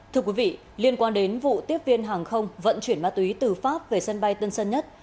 thưa quý vị liên quan đến vụ tiếp viên hàng không vận chuyển ma túy từ pháp về sân bay tân sơn nhất